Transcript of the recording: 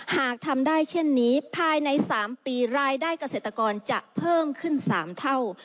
หากทำได้เช่นนี้ภายใน๓ปีรายได้เกษตรกรจะเพิ่มขึ้น๓เท่า